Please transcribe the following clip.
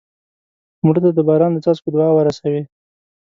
مړه ته د باران د څاڅکو دعا ورسوې